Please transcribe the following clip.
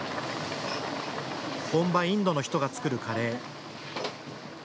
本場インドの人が作るカレー。